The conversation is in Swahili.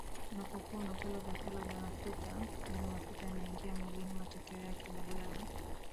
a unapokuwa unakula vyakula vya mafuta yale mafuta yanaingia mwilini matokeo yake badala ya